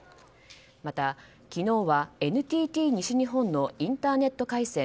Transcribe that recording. また昨日は、ＮＴＴ西日本のインターネット回線